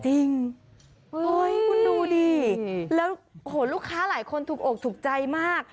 คุณดูดิแล้วโหลูกค้าหลายคนถูกอกถูกใจมาก